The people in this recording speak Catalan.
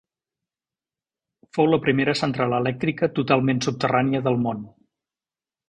Fou la primera central elèctrica totalment subterrània del món.